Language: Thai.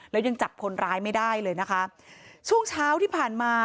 แล้วยังจับคนร้ายไม่ได้เลยนะคะช่วงเช้าที่ผ่านมา